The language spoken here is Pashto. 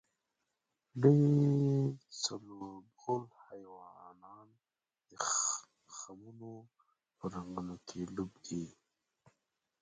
ډېر څلوربول حیوانان د خمونو په رنګونو کې ډوب دي.